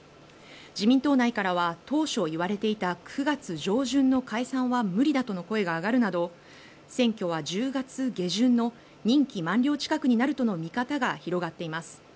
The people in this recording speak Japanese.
自民党内からは当初、言われていた９月上旬の解散は無理だとの声が上がるなど選挙は１０月下旬の任期満了近くになるとの見方が広がっています。